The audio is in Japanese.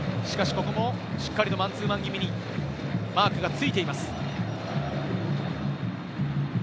しかし、ここもしっかりとマンツーマン気味にマークがついています。